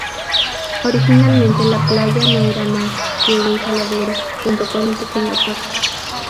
Originalmente la playa no era más que un saladero, junto con un pequeño puerto.